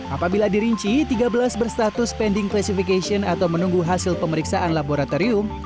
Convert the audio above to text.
apabila dirinci tiga belas berstatus spending classification atau menunggu hasil pemeriksaan laboratorium